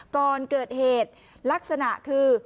ก่อนเกิดเหตุลักษณะคือ